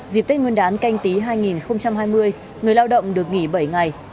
dịp tết nguyên đán canh tí hai nghìn hai mươi người lao động được nghỉ bảy ngày